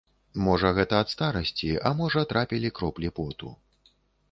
Можа, гэта ад старасці, а можа, трапілі кроплі поту.